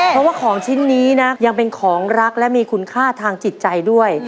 เพราะว่าของชิ้นนี้นะยังเป็นของรักและมีคุณค่าทางจิตใจด้วย